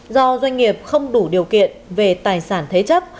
do doanh nghiệp không đủ điều kiện về tài sản thế chấp